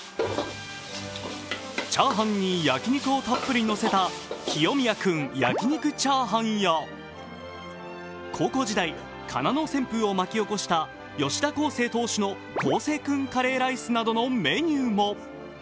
チャーハンに焼き肉をたっぷり乗せた清宮くん焼肉チャーハンや高校時代、金農旋風を巻き起こした吉田輝星投手の輝星くんカレーライスなどのメニューも。